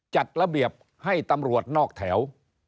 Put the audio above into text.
จัดระเบียบให้ตำรวจนอกแถว